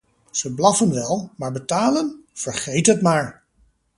Ze blaffen wel, maar betalen? Vergeet het maar!